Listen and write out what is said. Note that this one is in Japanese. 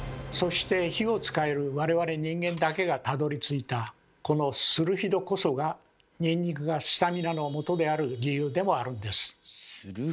そして火を使える我々人間だけがたどりついたこのスルフィドこそがニンニクがスタミナのもとである理由でもあるんです。